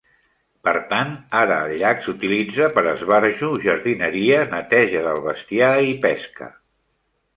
Per tant, ara el llac s'utilitza per a esbarjo, jardineria, neteja del bestiar i pesca.